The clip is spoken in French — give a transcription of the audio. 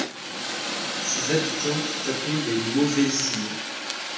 Ses habitants sont appelés les Mauveziniens.